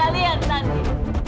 kamu keterlaluan tanti